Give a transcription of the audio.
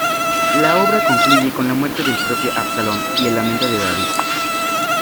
La obra concluye con la muerte del propio Absalón y el lamento de David.